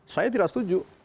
saya tidak setuju